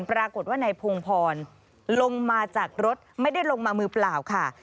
ปรากฏว่านายพงพรลงมาจากรถไม่ได้ลงมามือเปล่าค่ะ